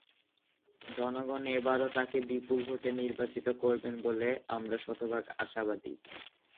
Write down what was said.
জনগণ এবারও তাঁকে বিপুল ভোটে নির্বাচিত করবেন বলে আমরা শতভাগ আশাবাদী।